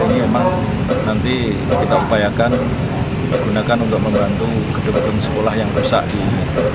ini emang nanti kita upayakan digunakan untuk membantu kejuruteraan sekolah yang rusak di ini